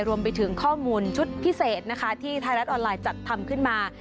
รวมไปถึงข้อมูลชุดพิเศษนะคะที่ไทยรัฐออนไลน์จัดทำขึ้นมา